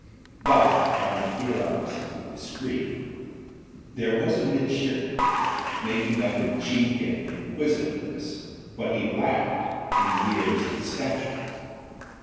But — and here I must be discreet — ^there was a midshipman, making up in cheek and inquisi tiveness what he lacked in years and stature.